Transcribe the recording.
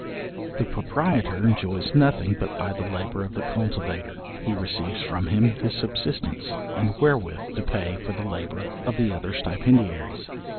The proprietor enjoys nothing but by the labour of the cultivator. He receives from him his subsistence, and wherewith to pay for the labour of the other stipendiaries.